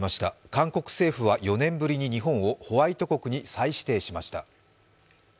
韓国政府は４年ぶりに日本をホワイト国に再指定しました。